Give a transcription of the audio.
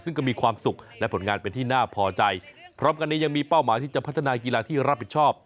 ซึ่งก็มีความสุขและผลงานเป็นที่น่าพอใจพร้อมกันนี้ยังมีเป้าหมายที่จะพัฒนากีฬาที่รับผิดชอบ